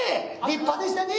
立派でしたで。